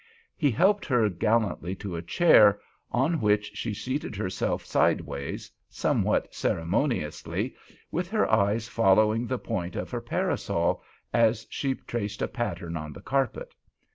He helped her gallantly to a chair, on which she seated herself sideways, somewhat ceremoniously, with her eyes following the point of her parasol as she traced a pattern on the carpet.